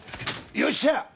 よっしゃ！